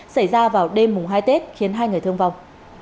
xảy ra vào đêm mùng hai tết khiến hai người thương vọng